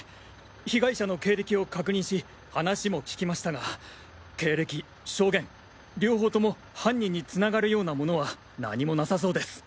被害者の経歴を確認し話も聞きましたが経歴証言両方とも犯人に繋がるようなものは何もなさそうです。